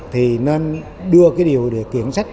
thì nên đưa điều kiện sách